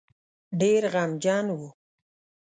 ډېر غمجن وو.